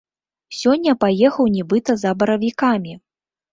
Сёння паехаў нібыта за баравікамі!